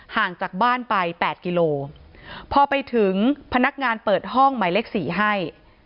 ห่างจากบ้านไป๘กิโลพอไปถึงพนักงานเปิดห้องหมายเลขสี่ให้